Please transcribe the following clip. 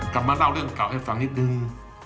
มาเล่าเรื่องเก่าให้ฟังนิดนึง